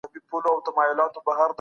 د مطالعې ګټه تر میټینګونو ډېره زیاته ده.